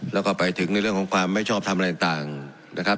แล้วก็ไปถึงในเรื่องของความไม่ชอบทำอะไรต่างนะครับ